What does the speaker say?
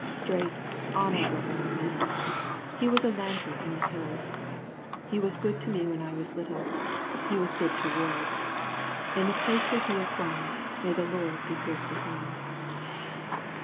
Straight, honourable old man. He was a lantern in the Hills. He was good to me when I was little, and he was good to Ward. In the place where he is gone, may the Lord be good to him!